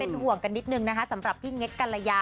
ห่วงกันนิดนึงนะคะสำหรับพี่เง็กกัลยา